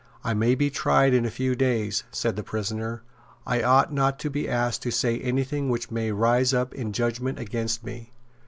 "I may be tried in a few days," said the prisoner. "I ought not to be asked to say any thing which may rise up in judgment against me."